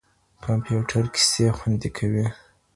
کمپيوټر کيسې خوندي کوي.